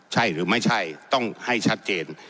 ใช่หรือไม่ใช่ต้องให้ชัดเจน